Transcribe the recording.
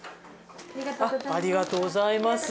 ありがとうございます。